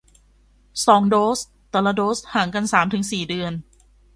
สองโดส แต่ละโดสห่างกันสามถึงสี่เดือน